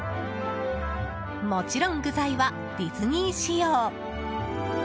もちろん具材はディズニー仕様。